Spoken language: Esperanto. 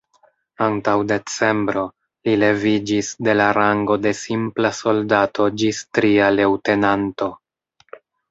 Antaŭ decembro, li leviĝis de la rango de simpla soldato ĝis tria leŭtenanto.